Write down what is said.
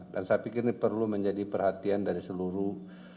dan saya pikir ini perlu menjadi perhatian dari seluruh